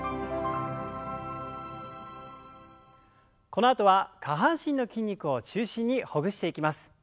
このあとは下半身の筋肉を中心にほぐしていきます。